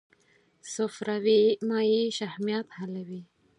صفراوي مایع شحمیات حلوي.